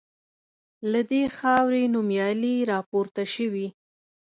له دې خاوري نومیالي راپورته سوي